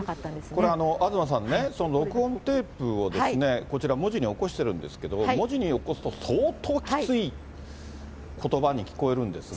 これ、東さんね、録音テープを、こちら、文字に起こしているんですけど、文字に起こすと、相当きついことばに聞こえるんですが。